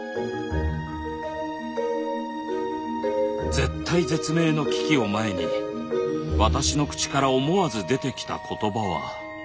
絶体絶命の危機を前に私の口から思わず出てきた言葉は。